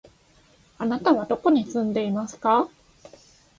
あなたはどこに住んでいますか？